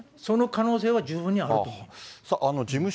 その可能性は十分にあると思います。